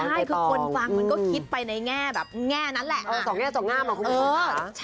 ใช่คือคนฟังมันก็คิดไปในแง่แบบแง่นั้นแหละสองแง่สองงามอ่ะคุณ